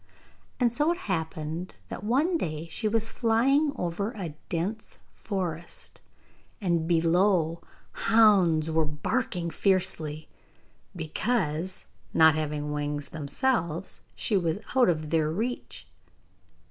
And so it happened that one day she was flying over a dense forest, and below hounds were barking fiercely, because, not having wings themselves, she was out of their reach.